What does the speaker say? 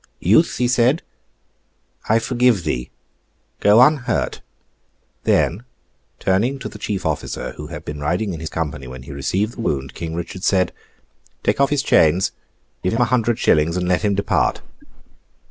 'Youth!' he said, 'I forgive thee. Go unhurt!' Then, turning to the chief officer who had been riding in his company when he received the wound, King Richard said: 'Take off his chains, give him a hundred shillings, and let him depart.